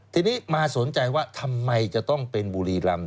ทีนี้มาสนใจว่าทำไมจะต้องเป็นบุรีรำ